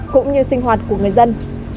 cũng như sinh hoạt của người dân